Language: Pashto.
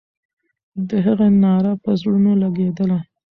د هغې ناره پر زړونو لګېدله.